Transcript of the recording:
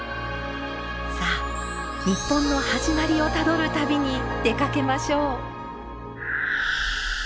さあ日本の始まりをたどる旅に出かけましょう。